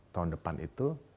tahun depan itu